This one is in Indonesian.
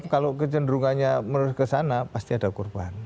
kalau kecenderungannya menurut kesana pasti ada korban